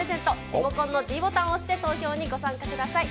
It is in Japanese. リモコンのｄボタンを押して、投票にご参加ください。